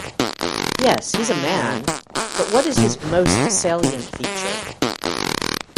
Yes, he's a man, but what is his most salient feature?